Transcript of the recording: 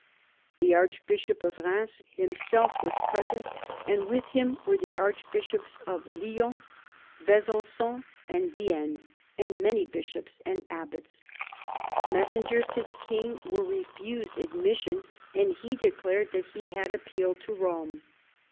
The archbishop of Eheims himself was present, and with him were the archbishops of Lyons, Besanc/m, and Vienne, and many bishops and abbats. Messengers to the king were refused admission, and he declared that he had appealed to Eome.